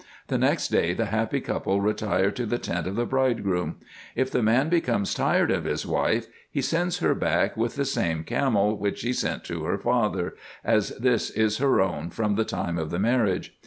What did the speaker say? The next day the happy couple retire to the tent of the bridegroom. If the man become tired of his wife, he sends her back with the same camel which he sent to her father, as this is her own from the time of the marriage.